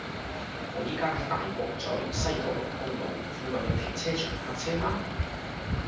我依家喺大角咀西九龍公路，附近有停車場泊車嗎